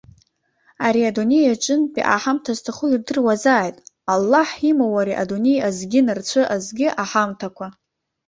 Ари адунеиаҿынтәи аҳамҭа зҭаху ирдыруазааит, Аллаҳ имоуп ари адунеи азгьы нарцәы азгьы аҳамҭақәа.